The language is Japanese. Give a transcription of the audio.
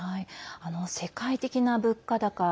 世界的な物価高。